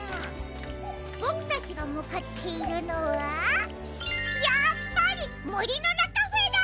ボクたちがむかっているのはやっぱりモリノナカフェだ！